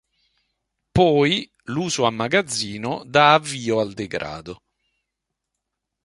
Poi, l'uso a magazzino dà avvio al degrado.